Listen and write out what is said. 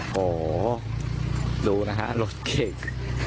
โหดูนะฮะรถเก่ง